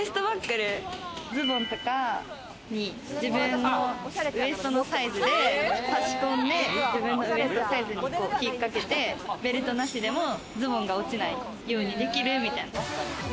ズボンとか、自分のウエストのサイズでさし込んで、自分のウエストサイズに引っかけてベルトなしでもズボンが落ちないようにできるみたいな。